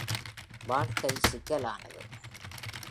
வாழ்க்கை சிக்கலானது.